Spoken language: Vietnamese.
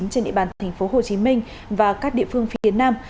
trên địa bàn tp hcm và các địa phương phía nam